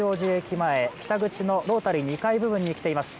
前、北口のロータリー２階部分に来ています。